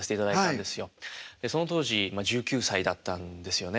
でその当時１９歳だったんですよね。